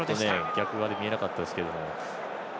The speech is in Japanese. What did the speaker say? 逆側で見えなかったですが。